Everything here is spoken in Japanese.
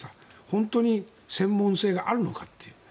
本当に専門性があるのかって。